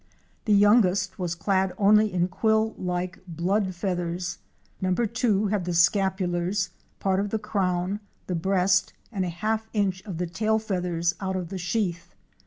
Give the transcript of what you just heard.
The youngest was clad only in quill like blood feathers; number two had the scapulars, part of the crown, the breast and a half inch of the tail feathers out of the sheath.